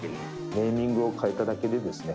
ネーミングを変えただけでですね